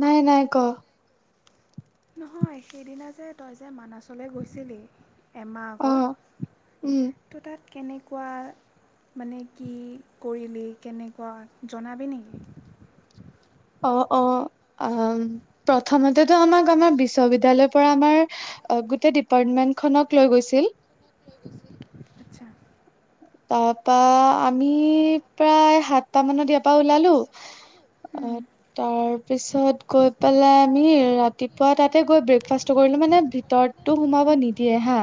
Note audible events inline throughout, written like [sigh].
নাই নাই ক নহয় সেইদিনা যে তই যে মানাছলৈ গৈছিলি এমাহ আগত তো তাত কেনেকুৱা মানে কি কৰিলি কেনেকুৱা জনাবি নেকি অ অ প্ৰথমতেটো আম বিশ্ববিদ্যালয়ৰ পৰা আমাৰ গোতে ডিপাটমেণ্টখনক লৈ গৈছিল তাৰপা আমি প্ৰায় সাতটা মানত ইয়াৰ পৰা ওলালো অ তাৰপিছত গৈ পেলাই আমি ৰাতিপুৱা তাতে গৈ ব্ৰেকফাষ্ট কৰিলো মানে ভিতৰতটো সোমাব নিদিয়ে হা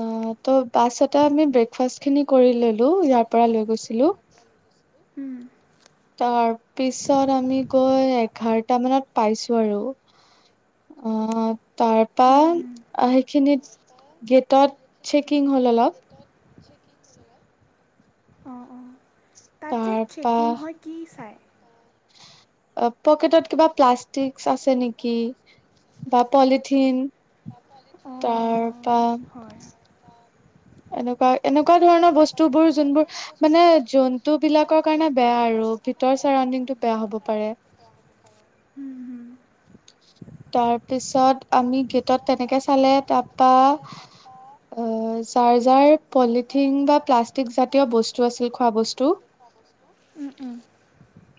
আহ ত বাছতে আমি ব্ৰেকফাষ্ট খিনি কৰি ললো ইয়াৰ পৰা লৈ গৈছিলো তাৰপিছত আমি গৈ এঘাৰটা মানত পাইছো আৰু তাৰপা সেইখিনিত গেটত চেকিং হল অলপ তাত যে চেকিং হয় কি চাই পকেটত কিবা প্লাষ্টিক আছে নেকি বা পলিথিন তাৰপ এনেকুৱা এনেকুৱা ধৰণৰ বস্তুবোৰ যোনবোৰ মানে জন্তু বিলাকৰ কাৰণে বেয়া আৰু ভিতৰ চাৰাউডিংটো বেয়া হব পাৰে তাৰপিছত আমি গেটত তেনেকে চালে তাৰপা এ যাৰ যাৰ পলিথিন বা প্লাষ্টিক জাতীয় বস্তু আছিল খোৱা বস্তু,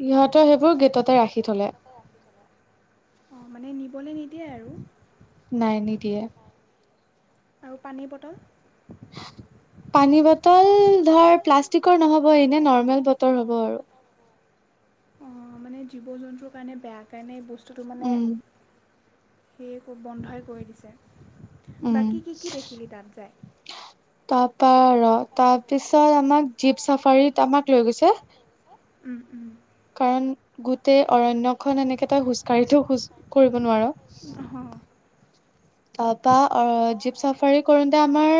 ইহঁতৰ সেইবোৰ গেটতে ৰাখি থলে। নিবলৈ নিদিয়ে আৰু। নাই নিদিয়ে। আৰু পানী বটল। পানী বটল ধৰ প্লাষ্ট তিকৰ নহ'ব এনে নৰ্মেল বতল হ'ব আৰু। অঁ মানে জীৱ জন্তুৰ কাৰণে বেয়া কাৰণে এই বস্তু বস্তুটো মানে সেই একো বন্ধই কৰি দিছে। বাকী কি কি দেখিলি তাত যায়। তাৰ ৰ, তাৰপিছত আমাক জীপ চাফাৰীত আমাক লৈ গৈছে। উম উম। কাৰণ গোটেই অৰণ্যখন এনেকে তই খোজ কাঢ়িটো খোজ কৰিব নোৱাৰ। [unintelligible] তাপা অঁ জীপ চাফাৰী কৰোতে আমাৰ,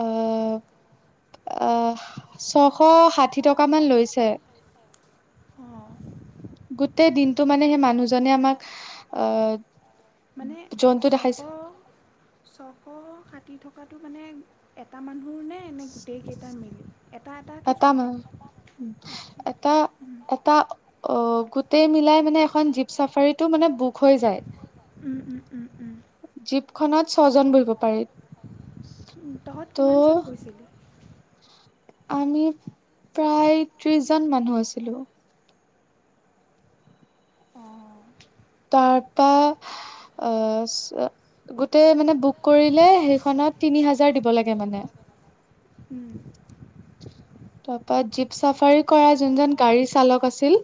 অঁ-অঁ ছশ ষাঠি টকামান লৈছে। গোটেই দিনটো মানে সেই মানুহজনে আমাক অঁ মানে, চশ চশ ছশ ষাঠি টকাটো মানে এটা মানুহৰ নে-নে গোটেইকেইটাৰ মিলি। এটা নহয়, এটা -এটা অঁ গোটেই মিলাই মানে এখন জীপ চাফাৰীটো মানে বুক হৈ যায়। উম উম-উম-উম। খনত ছজন বহিব পাৰি। কিমানজন গৈছিল। আমি প্ৰায় ত্ৰিশ জন মানুহ আছিলো। তাৰপা অ, গোটে মানে বুক কৰিলে, সেইখনত তিনি হাজাৰ দিব লাগে মানে। তাৰপা জীপ চাফাৰী কৰা যোনজন গাড়ী চালক আছিল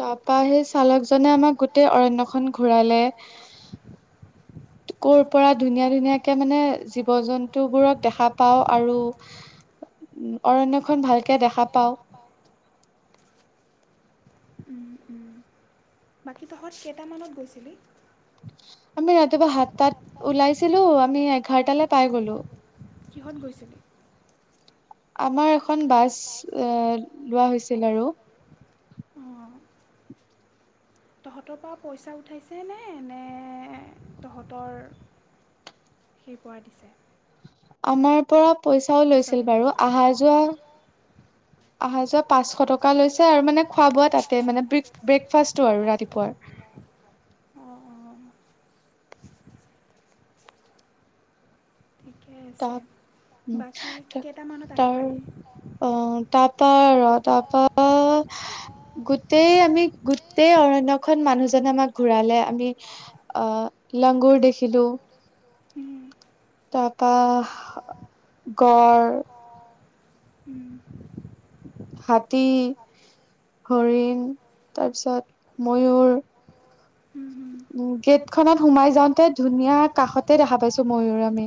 তাৰপা সেই চালকজনে আমাক গোটেই অৰন্যখন ঘূৰালে, ক'ৰ পৰা ধুনীয়া ধুনীয়াকে মানে জীৱ জন্তুবোৰক দেখা পাও আৰু অৰণ্যখন ভালকে দেখা পাও। বাকী তহঁত কেইটামানত গৈছিলি। আমি ৰাতিপুৱা সাতটাত ওলাইছিলো, আমি এঘাৰটালৈ পাই গলো। কিহঁত গৈছিলি। আমাৰ এখন বাছ এ লোৱা হৈছিল আৰু। তহঁতৰ পৰা পইচা উঠাইছে নে- নে তহঁতৰ সেই পৰা দিছে। আমাৰ পৰা পইচাও লৈছিল বাৰু, অহা যোৱা অহা যোৱা পাঁচশ টকা লৈছে আৰু মানে খোৱা বোৱা তাতে মানে ব্ৰে ব্ৰেকফাষ্টটো আৰু ৰাতিপুৱাৰ। তহত উম, ত তাৰ অঁ তাপা ৰ তাপা গোটেই আমি গোটেই অৰণ্যখন মানুহজনে আমাক ঘূৰালে, আমি আ লাংগুৰ দেখিলো। তাৰপা, গড় হাতী, হৰিণ তাৰপিছত ময়ুৰ। উম ', গেট খত সোমাই যাওঁতে ধুনীয়া কাষতে দেখা পাইছো ময়ুৰ আমি।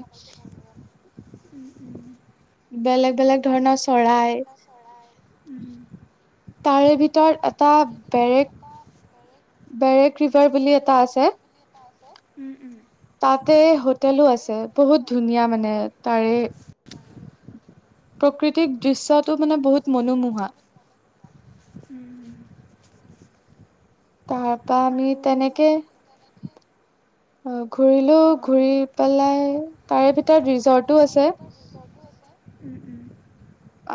বেলেগ -বেলেগ ধৰণৰ চৰাই তাৰে ভিতৰত এটা বেৰেক- বেৰেক ৰিভাৰ বুলি এটা আছে তাতে হোটেলো আছে বহুত ধুনীয়া মানে তাৰে, প্ৰকৃতিক দৃশ্যটো মানে বহুত মনোমোহা। তাৰ পৰা আমি তেনেকে অ, ঘূৰিলো, ঘূৰি পেলাই তাৰে ভিতৰত ৰিজৰ্টটো আছে।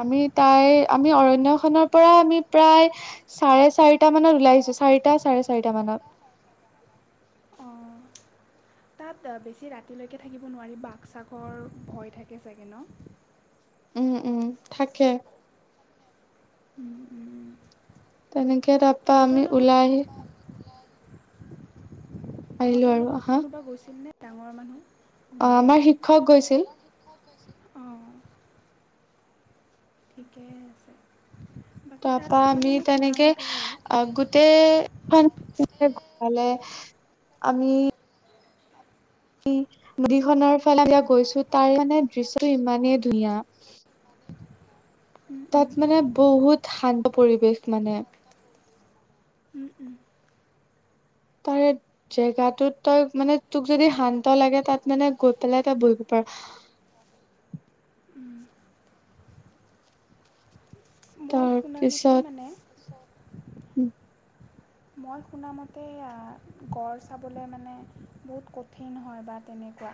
আমি তাই আমি অৰণ্যখনৰ পৰা আমি প্ৰায় চাৰে- চাৰিটা মানত ওলাই আহিছো চাৰিটা, চাৰে- চাৰিটা মানত। তাত বেছি ৰাতিলৈকে থাকিব নোৱাৰি বাঘ- চাঘৰ ভয় থাকে চাগে ন', উম -উম থাকে। তেনেকে তাৰপা আমি ওলাই আহি, আহিলো আৰু। কোনোবা গৈছিল নে? ডাঙৰ মানুহ। অ', আমাৰ শিক্ষক গৈছিল। ঠিকেই আছে। তাৰপা আমি তেনেকে আহ, গোটেই ঘূৰালে আমি, আমি নদীখনৰ ফালে গৈছো তাৰ মানে দৃশ্যটো ইমানেই ধুনীয়া। তাত মানে বহুত শান্ত পৰিৱেশ মানে। তাৰে জেগাটো তই মানে তোক যদি শান্ত লাগে তাত মানে গৈ পেলাই তই বহিব পাৰ, মই শুনাামতেই মানে। উম, মই শুনামতে এয়া গড় চাবলৈ মানে বহুত কঠিন হয় বা তেনেকুৱা,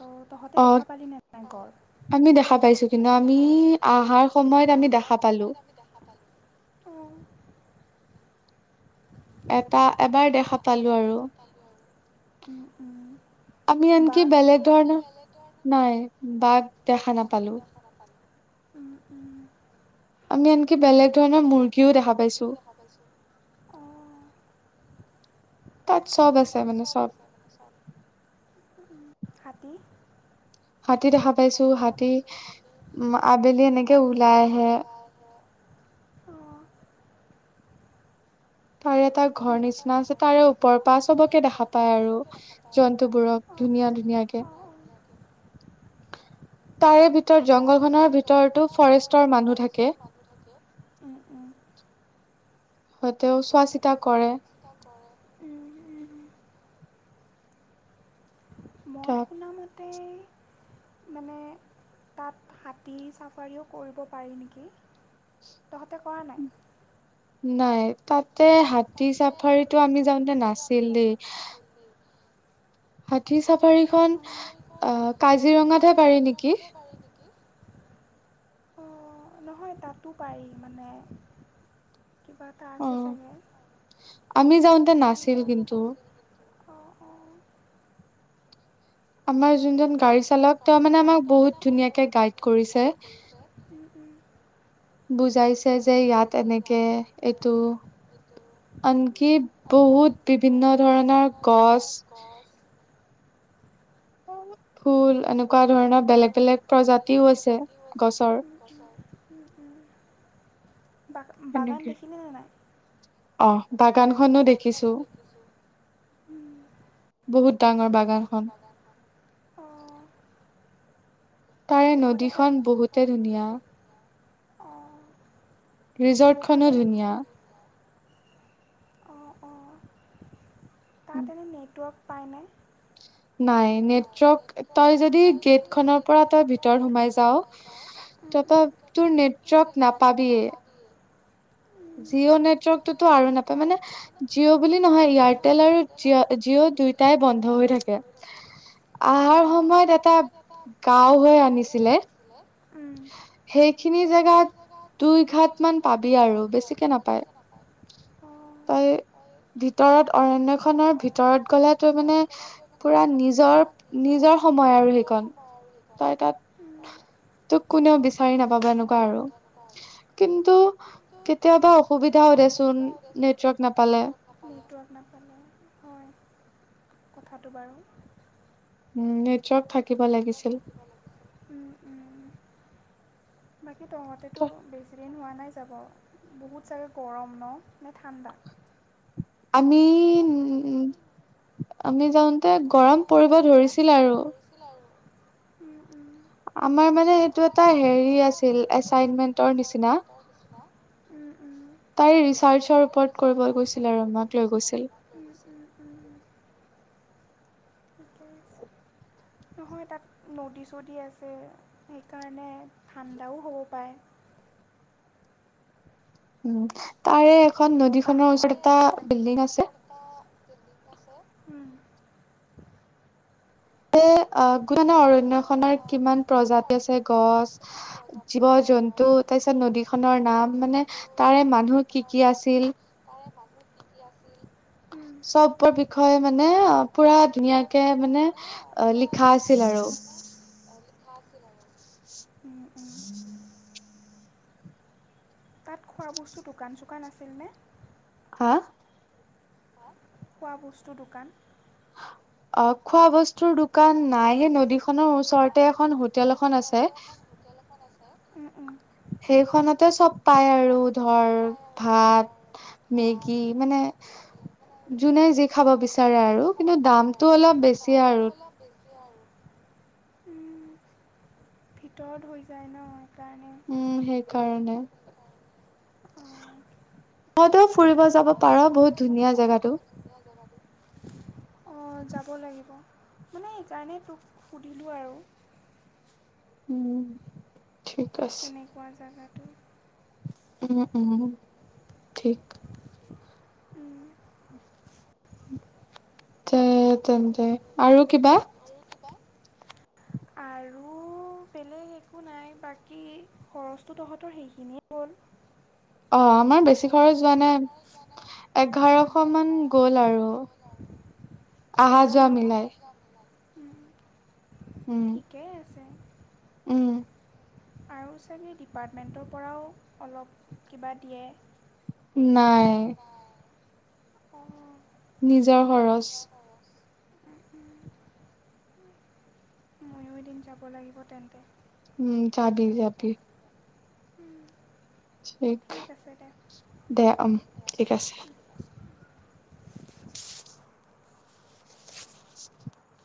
ত' তহঁতে দেখা পালি নে, নাই গড়? আমি দেখা পাইছো কিন্তু আমি আহাৰ সময়ত আমি দেখা পালোঁ। অহ ', এটা এবাৰ দেখা পালো আৰু। আমি আনকি বেলেগ ধৰণৰ নাই, বাঘ দেখা নাপালো। উম-উম [unintelligible] আনকি বেলেগ ধৰণৰ মুৰ্গীও দেখা পাইছো। অহ ', তাত চব আছে মানে চব। হাতী, হাত, হাতী দেখা পাইছো হাতী উম, আবেলি এনেকে ওলাই আহে। অহ্ তাৰে এটা ঘৰ নিচিনা আছে, তাৰে ওপৰৰ পা চবকে দেখা পায় আৰু জন্তুবোৰক ধুনীয়া ধুনীয়াকে। তাৰে ভিত, ৰ জংঘলখনৰ ভিতৰতো ফৰেষ্টৰ মানুহ থাকে। হয়তো চোৱা- চিতা কৰে। উম উম মই শুনা মতে তাতেই মানে তাত হাতী চাফাৰীও কৰিব পাৰি নেকি তহঁতে কৰা নাই নাই তাতে হাতী চাফাৰীটো আমি যাওঁতে নাছিল দেই হ হাতী চাফাৰীখন আহ কাজিৰঙাতহে পাৰি নেকি অঁ নহয় তাতো পাৰি মানে কিবা এটা আছে চাগে আমি যাওঁতে নাছিল আমাৰ যোনজন গাড়ী চালক তেওঁ মানে আমাক বহুত ধুনীয়াকে গাইড কৰিছে বুজাইছে যে ইয়াত এনেকে এইটো আনকি বহুত বিভিন্ন ধৰণৰ গছ ফুল এনেকুৱা ধৰণৰ বেলেগ বেলেগ প্ৰজাতিও আছে গছৰ বাগ বাগান দেখিলে নে নাই আহ বাগানখনো দেখিছোঁ বহুত ডাঙৰ বাগানখন তহঁতে তাত নদীখন বহুতে ধুনীয়া ৰিজৰ্টখনো ধুনীয়া অ' অ' তাত এনেই নেটৱৰ্ক পায় নে নাই নেটৱৰ্ক তই যদি গেটখনৰ পৰা তই ভিতৰত সোমাই যাওঁ তাপা তোৰ নেটৱৰ্ক নাপাবিয়ে জিঅ' নেটৱৰ্কটোতো আৰু নেপাওঁ ত মানে জিঅ' বুলি নহয় এয়াৰটেল আৰু জিঅ জিঅ' দুয়োটাই বন্ধ হৈ থাকে অহাৰ সময়ত এটা গাওঁ হৈ আনিছিলে সেইখিনি জেগাত দুই ঘাট মান পাবি আৰু বেছিকে নাপায় তই ভিতৰত অৰণ্যখনৰ ভিতৰত গ'লে তই মানে পুৰা নিজৰ নিজৰ সময় আৰু সেইকন তই তাত তোক কোনেও বিচাৰি নাপাবা এনেকুৱা আৰু কিন্তু কেতিয়াবা অসুবিধা হয় দেচোন দেচোন নেটৱৰ্ক নাপালে নেটৱৰ্ক নাপালে হয় কথাটো বাৰু উম নেট চত থাকি থাকিব লাগিছিল বাকী তহঁতেতো বেছি দিন হোৱা নাই যাব বহুত চাগে গৰম ন নে ঠাণ্ডা আমি যাওঁতে গৰম পৰিব ধৰিছিল আৰু আমাৰ মানে সেইটো এটা হেৰি আছিল এচাইনমেন্টৰ নিচিনা। [unintelligible] তাইৰ ৰিচাৰ্চৰ ওপৰত কৰিব গৈছিল আৰু মাক লৈ গৈছিল। নহয় তাত নদী চদি আছে সেইকাৰণে ঠাণ্ডাও হ'ব পাৰে। [unintelligible] তাৰে এখন নদীখনৰ ওচৰত এটা বিল্ডিং আছে। আছে। ঘন অৰণ্য খনৰ কিমান প্ৰজাতি আছে গছ জীৱ জন্তু তাৰ পিছত নদীখনৰ নাম মানে তাৰে মানুহ কি? কি? আছিল। চবৰ বিষয়ে মানে- পুৰা ধুনীয়াকে মানে লিখা আছিল আৰু উ'ম [unintelligible] তাত খোৱা বস্তু দোকান চোকান আছিলনে। হা খোৱা বস্তু দোকান- অ', খোৱা বস্তু- তোৰ দোকান নাই সেই নদীখনৰ ওচৰতে এখন হোটেল এখন আছে। উ'ম উ'ম। সেইখনতে চব পাই আৰু ধৰ ভাত মেগী মানে যোনে যি খাব বিচাৰে আৰু কিন্তু দামতটো অলপ বেছি আৰু উ'ম ভিতৰত হৈ যায় ন সেইকাৰণে উ'ম সেইকাৰণে- তহঁতেও ফুৰিব যাব পাৰ বহুত ধুনীয়া জেগাতটো। অ', যাব লাগিব মানে সেইকাৰণেই তোক সুধিলোঁ আৰু কেনেকুৱা জাগাত উ'ম উ'ম ঠিক- উ'ম তে তেন্তে আৰু কিবা- আৰু বেলেগ একো নাই বাকী খৰচটো তহঁতৰ সেইখিনিয়েই গ'ল। অ', আমাৰ বেছি খৰচ হোৱা নাই এঘাৰশ মান গ'ল আৰু আহা যোৱা মিলাই। ঠিকেই আছে। উ'ম। আৰু চাগে ডিপাৰ্টমেণ্টৰ পৰাওঁ অলপ কিবা দিয়ে। নাই। অ', নিজৰ খৰচ- উ'ম হ'ম। ময়ো এদিন যাব লাগিব তেন্তে- উ'ম যাবি, যাবি। উম ঠিক দে উম ঠিক আছে। [inaudible]